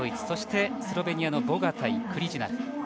そして、スロベニアのボガタイクリジュナル。